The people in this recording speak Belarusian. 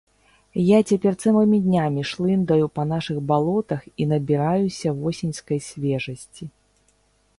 Я цяпер цэлымі днямі шлындаю па нашых балотах і набіраюся восеньскай свежасці.